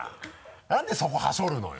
なんでそこはしょるのよ。